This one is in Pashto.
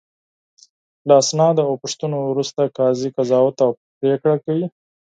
له اسنادو او پوښتنو وروسته قاضي قضاوت او پرېکړه کوي.